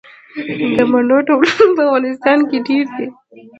د مڼو ډولونه په افغانستان کې ډیر دي.